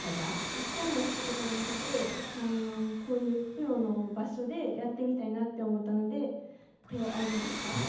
一回もした事がなくてこういうプロの場所でやってみたいなって思ったので手を挙げました。